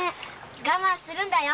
我慢するんだよ。